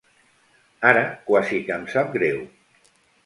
Ara quasi que em sap greu.